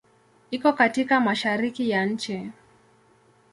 Iko katika Mashariki ya nchi.